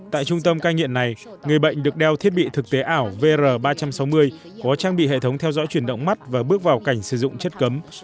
tại trung tâm cai nghiện này người bệnh được đeo thiết bị thực tế ảo vr ba trăm sáu mươi có trang bị hệ thống theo dõi chuyển động mắt và bước vào cảnh sử dụng chất cấm